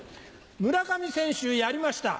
村上選手やりました。